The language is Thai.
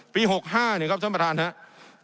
ปี๖๕เนี่ยครับท่านประธานครับ